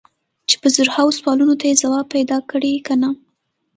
چې په زرهاوو سوالونو ته یې ځواب پیدا کړی که نه.